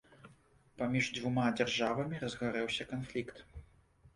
Паміж дзвюма дзяржавамі разгарэўся канфлікт.